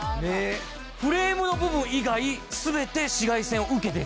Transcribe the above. フレームの部分以外全て紫外線を受けている。